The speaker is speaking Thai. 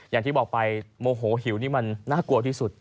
อย่างที่บอกไปโมโหหิวนี่มันน่ากลัวที่สุด